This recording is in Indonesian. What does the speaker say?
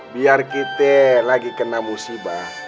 biar kita lagi kena musibah